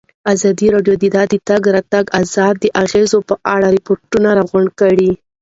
ازادي راډیو د د تګ راتګ ازادي د اغېزو په اړه ریپوټونه راغونډ کړي.